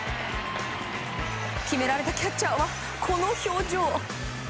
決められたキャッチャーはこの表情。